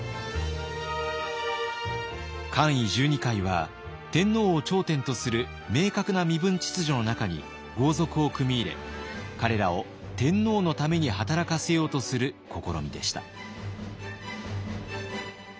冠位十二階は天皇を頂点とする明確な身分秩序の中に豪族を組み入れ彼らを天皇のために働かせようとする試みでした。